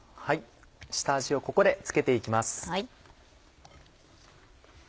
下味をここで付けて行きます。